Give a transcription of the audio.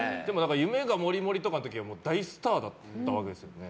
「夢がＭＯＲＩＭＯＲＩ」の時は大スターだったわけですよね。